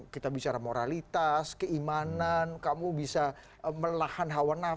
kita bicara moralitas keimanan kamu bisa melahirkan